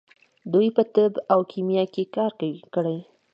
دوی په طب او کیمیا کې کار کړی.